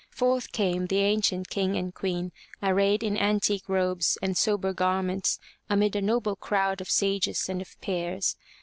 Forth came the ancient King and Queen, arrayed in antique robes and sober garments, amid a noble crowd of sages and of peers.